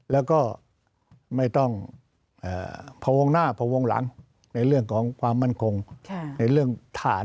แล้วก็ไม่ต้องพวงหน้าพอวงหลังในเรื่องของความมั่นคงในเรื่องฐาน